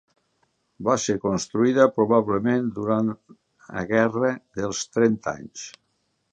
Va ser construïda, probablement durant a guerra dels trenta anys.